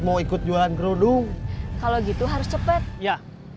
mau ikut jualan kerudung kalau gitu harus cepat ya